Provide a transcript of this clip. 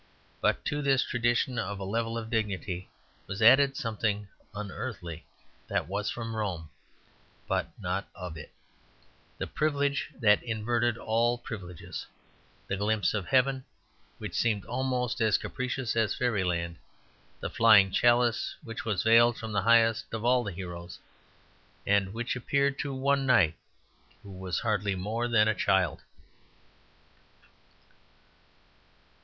But to this tradition of a level of dignity was added something unearthly that was from Rome, but not of it; the privilege that inverted all privileges; the glimpse of heaven which seemed almost as capricious as fairyland; the flying chalice which was veiled from the highest of all the heroes, and which appeared to one knight who was hardly more than a child.